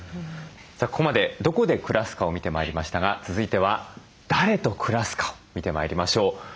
さあここまでどこで暮らすかを見てまいりましたが続いては誰と暮らすかを見てまいりましょう。